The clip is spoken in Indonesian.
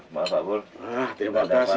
maka kita akan akhir akhir najwan berkumpul bagi